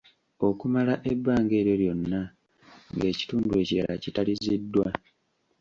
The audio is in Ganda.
Okumala ebbanga eryo lyonna ng’ekitundu ekirala kitaliziddwa.